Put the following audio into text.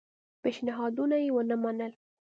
پېشنهادونه یې ونه منل.